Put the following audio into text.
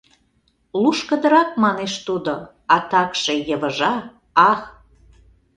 — Лушкыдырак, — манеш тудо, — а также йывыжа, ах!